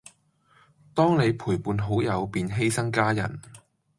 當你陪伴好友便犧牲家人